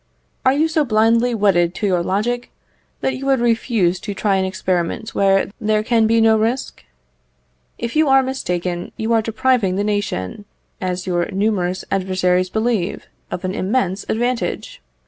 Are you so blindly wedded to your logic, that you would refuse to try an experiment where there can be no risk? If you are mistaken, you are depriving the nation, as your numerous adversaries believe, of an immense advantage.